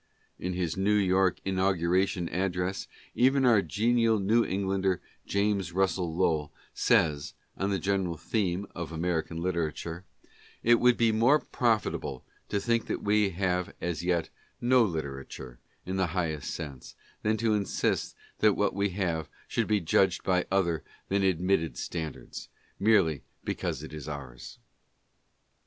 In his New York In auguration address, even our genial New Englander, James Russell Lowell, says (on the general theme of American literature), " It would be more profitable to think that we have as yet no litera ture in the highest sense, than to insist that what we have should be judged by other than admitted standards, merely because it is ours."